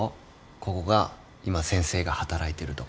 ここが今先生が働いてる所。